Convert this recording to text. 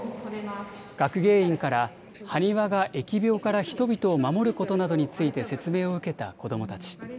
学芸員から埴輪が疫病から人々を守ることなどについて説明を受けた子どもたち。